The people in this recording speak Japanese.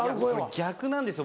逆なんですよ